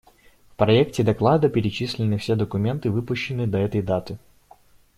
В проекте доклада перечислены все документы, выпущенные до этой даты.